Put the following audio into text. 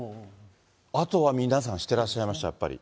あとは皆さん、してらっしゃいました、やっぱり。